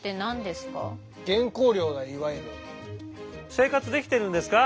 生活できてるんですか？